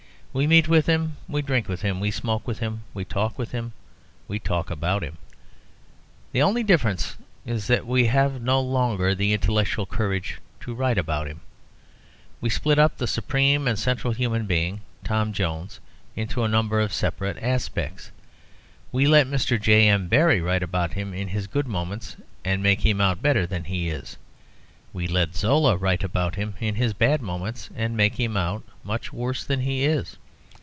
We meet with him, we drink with him, we smoke with him, we talk with him, we talk about him. The only difference is that we have no longer the intellectual courage to write about him. We split up the supreme and central human being, Tom Jones, into a number of separate aspects. We let Mr. J.M. Barrie write about him in his good moments, and make him out better than he is. We let Zola write about him in his bad moments, and make him out much worse than he is.